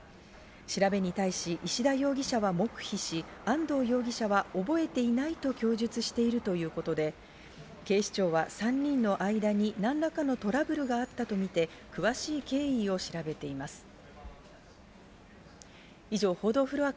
調べに対し、石田容疑者は黙秘し、安藤容疑者は覚えていないと供述しているということで警視庁は３人の間に何らかのトラブルがあったとみて詳しい経緯を調べています。